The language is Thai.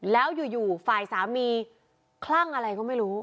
แล้วอยู่ฝ่ายสามีคลั่งอะไรก็ไม่รู้